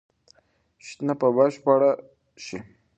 شننه به بشپړه شي.